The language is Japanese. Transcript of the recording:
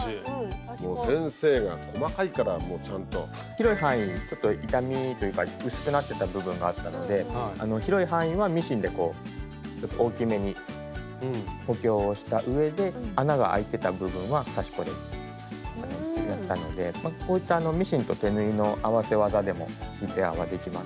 広い範囲ちょっと傷みというか薄くなってた部分があったので広い範囲はミシンでこう大きめに補強をしたうえで穴があいてた部分は刺し子でやったのでこういったミシンと手縫いの合わせ技でもリペアはできます。